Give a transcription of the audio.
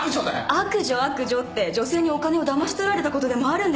悪女悪女って女性にお金をだまし取られたことでもあるんですか？